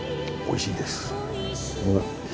おいしいです。